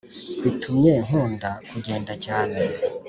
bitumye ukunda kugenda cyane